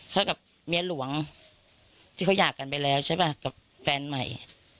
เขากับเมียหลวงที่เขาอยากกันไปแล้วใช่ป่ะกับแฟนใหม่